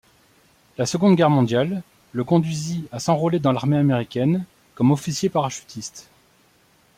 La Seconde Guerre mondiale le conduisit à s'enrôler dans l'armée américaine comme officier parachutiste.